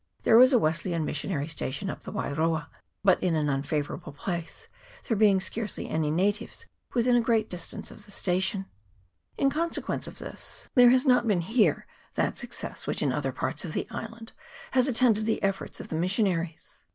There is a Wesleyan missionary station up the Wairoa, but in an unfavourable place, there being CHAP. XIX.] AMD TRIBUTARIES. 269 scarcely any natives within a great distance of the station. In consequence of this there has not been here that success which in other parts of the island has attended the efforts of the missionaries.